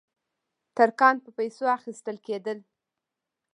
ترکان په پیسو اخیستل کېدل.